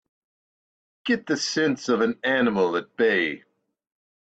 Get the sense of an animal at bay!